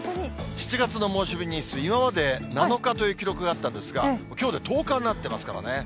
７月の猛暑日日数、今まで７日という記録があったんですが、きょうで１０日になっていますからね。